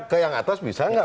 ke yang atas bisa nggak